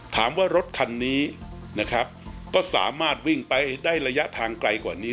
ถามว่ารถคันนี้ก็สามารถวิ่งไปได้ระยะทางไกลกว่านี้